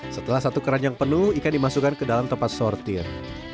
setelah satu keranjang penuh ikan dimasukkan ke dalam tempat sortir